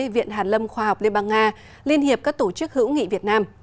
viện hàn lâm khoa học liên bang nga liên hiệp các tổ chức hữu nghị việt nam